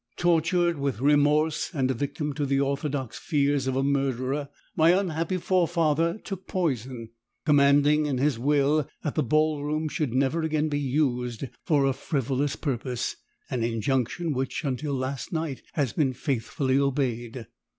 "Tortured with remorse and a victim to the orthodox fears of a murderer, my unhappy forefather took poison, commanding in his will 'that the ballroom should never again be used for a frivolous purpose,' an injunction which, until last night, has been faithfully obeyed.